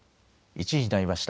１時になりました。